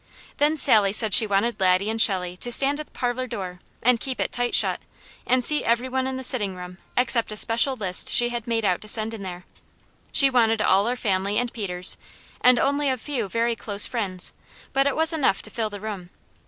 Then Sally said she wanted Laddie and Shelley to stand at the parlour door and keep it tight shut, and seat every one in the sitting room except a special list she had made out to send in there. She wanted all our family and Peter's, and only a few very close friends, but it was enough to fill the room.